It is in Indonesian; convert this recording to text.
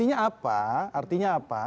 iya artinya apa